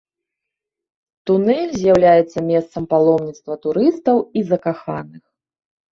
Тунэль з'яўляецца месцам паломніцтва турыстаў і закаханых.